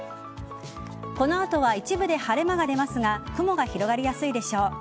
この後は一部で晴れ間が出ますが雲が広がりやすいでしょう。